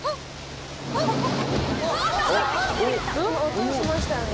音がしましたよね？